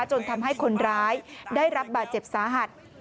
จนทำให้คนร้ายได้รับบาดเจ็บสาหัส